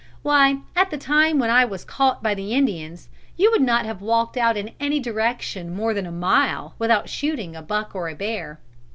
Why, at the time when I was caught by the Indians, you would not have walked out in any direction more than a mile without shooting a buck or a bear.